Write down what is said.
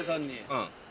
うん。